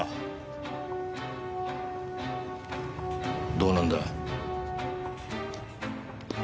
どうなんだ？